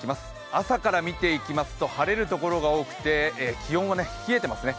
朝から見ていきますと、晴れるところが多くて気温は冷えていますね。